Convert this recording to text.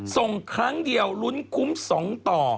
ส่งครั้งเดียวลุ้นคุ้ม๒ต่อ